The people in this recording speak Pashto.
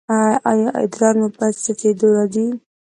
ایا ادرار مو په څڅیدو راځي؟